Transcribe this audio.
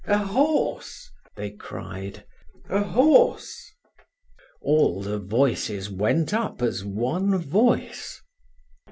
"A horse!" they cried. "A horse!" All the voices went up as one voice.